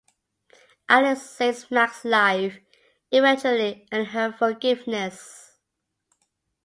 Alex saves Max's life, eventually earning her forgiveness.